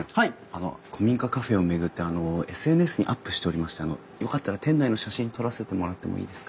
あの古民家カフェを巡ってＳＮＳにアップしておりましてよかったら店内の写真撮らせてもらってもいいですか？